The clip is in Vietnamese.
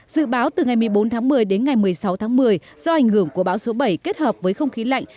dự báo từ ngày một mươi bốn tháng một mươi đến ngày một mươi sáu tháng một mươi do ảnh hưởng của bão số bảy kết hợp với không khí lạnh